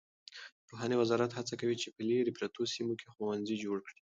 د پوهنې وزارت هڅه کوي چې په لیرې پرتو سیمو کې ښوونځي جوړ کړي.